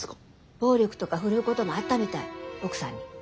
暴力とか振るうこともあったみたい奥さんに。